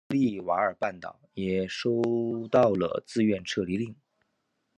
该岛到波利瓦尔半岛也收到了自愿撤离令。